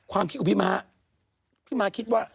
ความคิดของพี่ม้าพี่ม้าคิดว่า